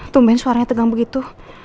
tumben suaranya tegang begitu